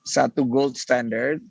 satu gold standard